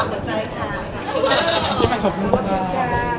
ขอบคุณด้วยค่ะ